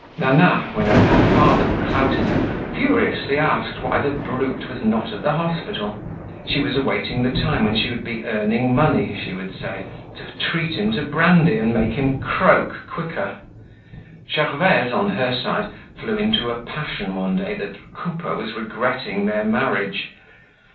Nana, whenever her father clouted her, furiously asked why the brute was not at the hospital. She was awaiting the time when she would be earning money, she would say, to treat him to brandy and make him croak quicker. Gervaise, on her side, flew into a passion one day that Coupeau was regretting their marriage.